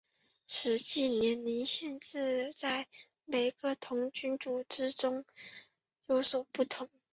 实际的年龄限制在每个童军组织中有所不同。